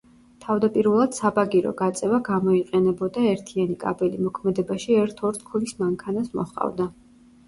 თავდაპირველად საბაგირო გაწევა გამოიყენებოდა, ერთიანი კაბელი მოქმედებაში ერთ ორთქლის მანქანას მოჰყავდა.